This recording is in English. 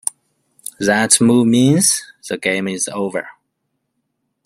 That move means the game is over.